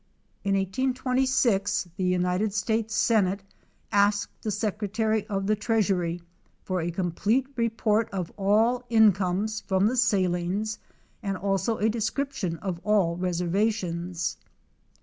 In 1826 the United States Senate asked the Secretary of the Treas ury for a complete report of all incomes from the salines and also a description of all reservations.